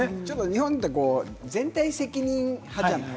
日本って全体責任派じゃない？